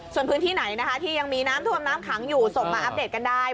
ส่วนพื้นที่ไหนนะคะที่ยังมีน้ำท่วมน้ำขังอยู่ส่งมาอัปเดตกันได้